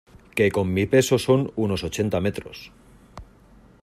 que con mi peso son unos ochenta metros.